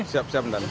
siap siap dan